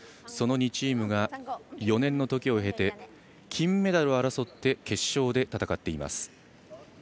その２チームが４年のときを経て金メダルを争って決勝で戦っています。